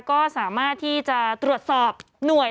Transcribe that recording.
ก็สามารถที่จะตรวจสอบหน่วย